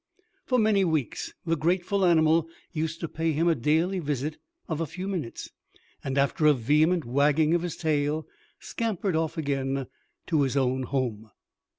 For many weeks the grateful animal used to pay him a daily visit of a few minutes, and after a vehement wagging of his tail, scampered off again to his own home.